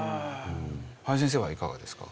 林先生はいかがですか？